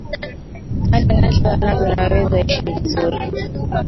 hata nikiwa nazo naweza ishi vizuri